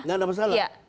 enggak ada masalah